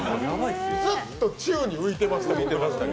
ずっと宙に浮いてました。